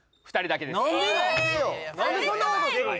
・何でそんなことするん？